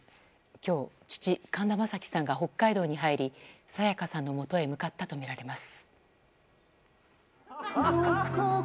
今日、父・神田正輝さんが北海道に入り沙也加さんのもとへ向かったとみられます。